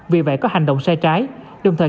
vì vậy có hành động sai trái đồng thời